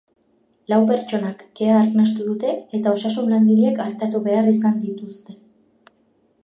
Lau pertsonak kea arnastu dute eta osasun-langileek artatu behar izan dituzte.